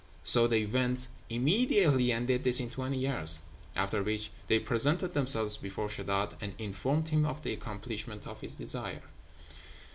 So they went immediately, and did this in twenty years; after which they presented themselves before Sheddád, and informed him of the accomplishment of his desire.